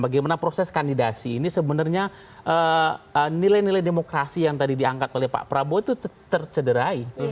bagaimana proses kandidasi ini sebenarnya nilai nilai demokrasi yang tadi diangkat oleh pak prabowo itu tercederai